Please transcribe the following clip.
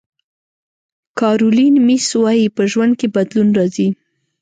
کارولین میس وایي په ژوند کې بدلون راځي.